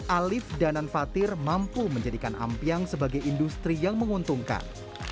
alif danan fatir mampu menjadikan ampiang sebagai industri yang menguntungkan